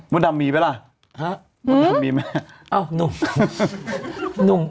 มุดดำมีไหมล่ะอ้าวนุ่ม